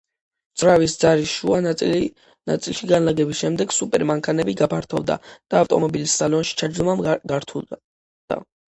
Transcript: ძრავის ძარის შუა ნაწილში განლაგების შემდეგ სუპერ მანქანები გაფართოვდა და ავტომობილის სალონში ჩაჯდომა გართულდა.